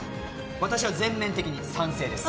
私は全面的に賛成です